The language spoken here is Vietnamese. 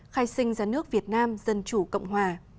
khai sinh ra nước việt nam dân chủ cộng hòa